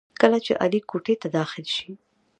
کله چې علي کوټې ته داخل شي،